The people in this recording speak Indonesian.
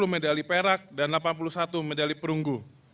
dua puluh medali perak dan delapan puluh satu medali perunggu